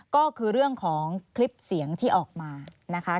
ก็คือเรื่องของคลิปเสียงที่ออกมานะคะ